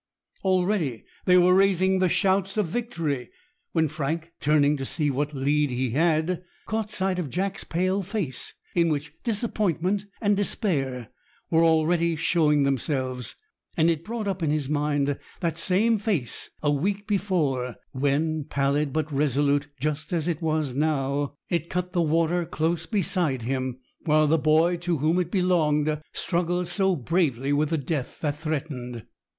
Already they were raising the shouts of victory, when Frank, turning to see what lead he had, caught sight of Jack's pale face, in which disappointment and despair were already showing themselves, and it brought up in his mind that same face a week before, when, pallid but resolute, just as it was now, it cut the water close beside him, while the boy to whom it belonged struggled so bravely with the death that threatened.